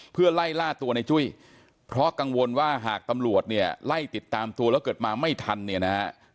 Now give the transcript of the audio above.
เพื่อไล่ล่าตัวในจุ้ยเพราะกังวลว่าหากตำรวจเนี่ยไล่ติดตามตัวแล้วเกิดมาไม่ทันเนี่ยนะฮะ